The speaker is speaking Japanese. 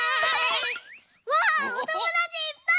わあおともだちいっぱい！